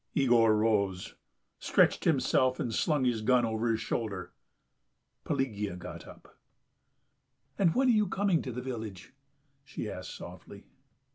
Yegor rose, stretched himself, and slung his gun over his shoulder; Pelagea got up. "And when are you coming to the village?" she asked softly.